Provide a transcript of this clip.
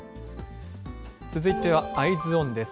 続いてはＥｙｅｓｏｎです。